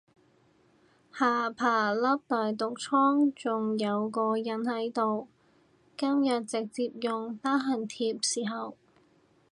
下巴粒大毒瘡仲有個印喺度，今日直接用疤痕貼侍候